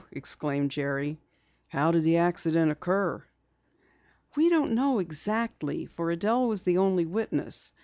exclaimed Jerry. "How did the accident occur?" "We don't know exactly, for Adelle was the only witness.